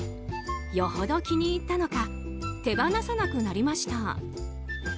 よほど気に入ったのか手放さなくなりました。